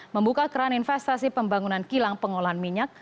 membuka keran investasi pembangunan kilang pengolahan minyak